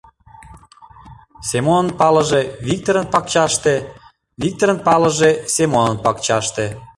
Семонын палыже — Виктырын пакчаште, Виктырын палыже — Семонын пакчаште.